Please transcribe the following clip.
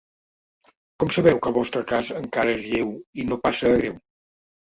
Com sabeu que el vostre cas encara és lleu i no passa a greu?